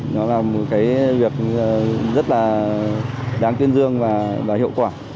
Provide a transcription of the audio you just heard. nó là một cái việc rất là đáng tuyên dương và hiệu quả